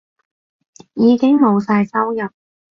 已經冇晒收入